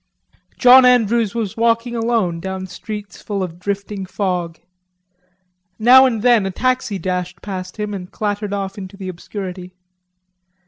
John Andrews was walking alone down streets full of drifting fog. Now and then a taxi dashed past him and clattered off into the obscurity.